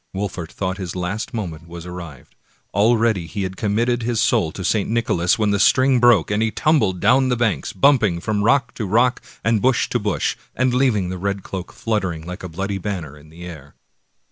Wolfert thought his last moment was arrived; al ready had he committed his soul to St. Nicholas, when the string broke, and he tumbled down the bank, bumping from rock to rock and bush to bush, and leaving the red cloak fluttering like a bloody banner in the air.